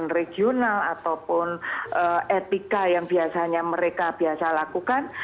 regional ataupun etika yang biasanya mereka biasa lakukan